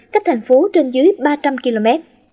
cách thành phố trên dưới ba trăm linh km